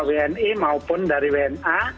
wni maupun dari wna